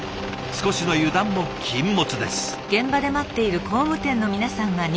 少しの油断も禁物です。